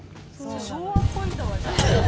昭和っぽいんだわじゃ。